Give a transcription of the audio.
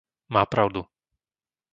Má pravdu.